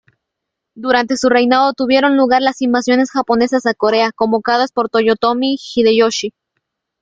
Durante su reinado tuvieron lugar las invasiones japonesas a Corea convocadas por Toyotomi Hideyoshi.